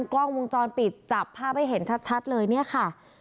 กล้องวงจรปิดจับภาพให้เห็นชัดเลยเนี่ยค่ะ